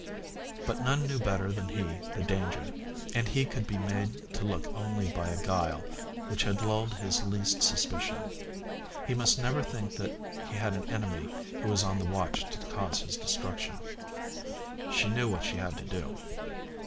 But none knew better than he the danger, and he could be made to look only by a guile which had lulled his least suspicion. He must never think that he had an enemy who was on the watch to cause his destruction. She knew what she had to do.